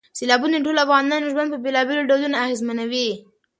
سیلابونه د ټولو افغانانو ژوند په بېلابېلو ډولونو اغېزمنوي.